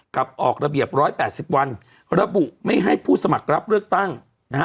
กับออกระเบียบ๑๘๐วันระบุไม่ให้ผู้สมัครรับเลือกตั้งนะฮะ